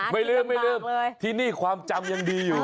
ไม่ลืมที่นี่ความจำยังดีอยู่